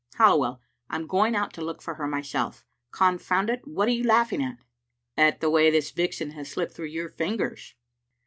Halliwell, I am going out to look for her myself. Confound it, what are you laughing at?" "At the way this vixen has slipped through your fingers."